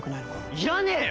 いらねえよ！